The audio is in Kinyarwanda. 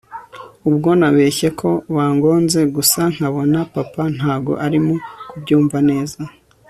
ubwo nabeshye ko bangonze , gusa nkabona papa ntago arimo kubyumva neza